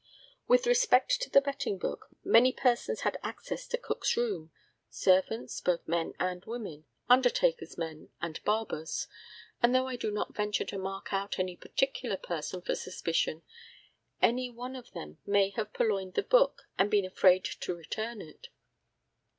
With respect to the betting book, many persons had access to Cook's room servants, both men and women, undertaker's men, and barbers; and though I do not venture to mark out any particular person for suspicion, any one of them may have purloined the book and been afraid to return it.